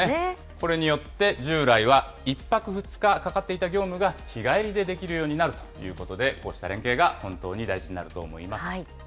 これによって、従来は１泊２日かかっていた業務が、日帰りでできるようになるということで、こうした連携が本当に大事になると思います。